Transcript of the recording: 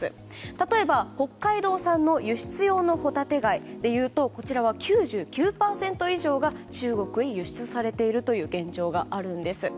例えば北海道産の輸出用のホタテ貝はこちらは９９％以上が中国へ輸出されている現状があるんです。